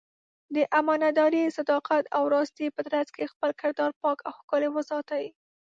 د امانتدارۍ، صداقت او راستۍ په ترڅ کې خپل کردار پاک او ښکلی وساتي.